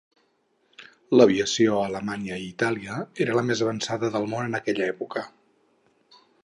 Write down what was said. L'aviació a Alemanya i Itàlia era la més avançada del món en aquella època.